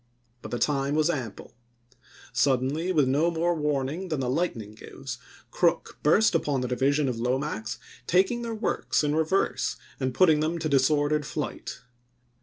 But the time was ample. Suddenly, with no more warning than the lightning gives, Crook burst upon the division of Lomax, taking their works in reverse and putting them to disordered flight.